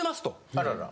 あらら。